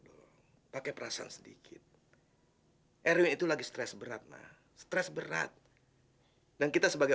dulu pakai perasaan sedikit er itu lagi stress berat maz z berat dan kita sebagai